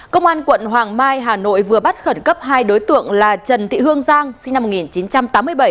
công an quận hoàng mai hà nội vừa bắt khẩn cấp hai đối tượng là trần thị hương giang sinh năm một nghìn chín trăm tám mươi bảy